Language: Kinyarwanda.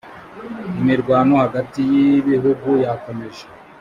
imirwano hagati y ibihugu yakomeje